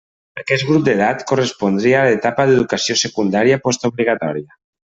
Aquest grup d'edat correspondria a l'etapa d'educació secundària post obligatòria.